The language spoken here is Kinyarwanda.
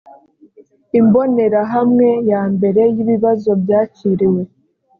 imbonerahamwe ya mbere y’ibibazo byakiriwe